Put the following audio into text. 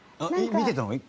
見てたの？